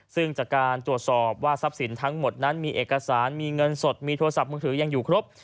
ซึ่งจากการตรวจสอบว่าทรัพย์สินทั้งหมดนั้นมีเอกสารมีเงินสดมีโทรศัพท์มือถือยังอยู่ครบ